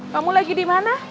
kamu lagi dimana